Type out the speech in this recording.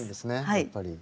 やっぱり。